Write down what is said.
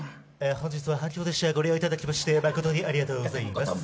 本日は阪急列車をご利用いただきまして誠にありがとうございます。